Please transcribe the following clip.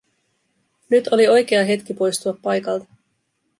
Nyt oli oikea hetki poistua paikalta.